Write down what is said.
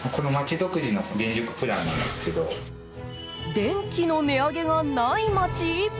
電気の値上げがない街？